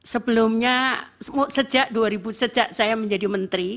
sebelumnya sejak dua ribu sejak saya menjadi menteri